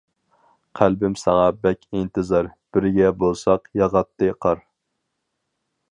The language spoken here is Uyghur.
قەلبىم ساڭا بەك ئىنتىزار، بىرگە بولساق ياغاتتى قار.